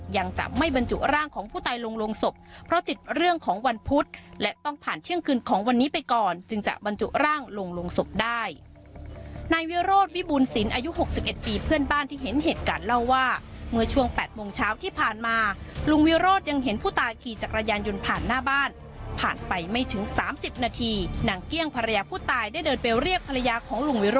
ตายลงลงศพเพราะติดเรื่องของวันพุธและต้องผ่านเที่ยงคืนของวันนี้ไปก่อนจึงจะบรรจุร่างลงลงศพได้นายวิโรธวิบูลสินอายุหกสิบเอ็ดปีเพื่อนบ้านที่เห็นเหตุการณ์เล่าว่าเมื่อช่วงแปดโมงเช้าที่ผ่านมาลุงวิโรธยังเห็นผู้ตายขี่จากรยานยนต์ผ่านหน้าบ้านผ่านไปไม่ถึงสามสิบนาทีนางเกี้ยงภรร